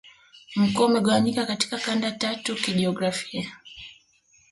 Mkoa umegawanyika katika kanda tatu kijiografia